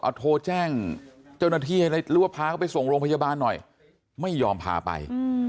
เอาโทรแจ้งเจ้าหน้าที่ให้หรือว่าพาเขาไปส่งโรงพยาบาลหน่อยไม่ยอมพาไป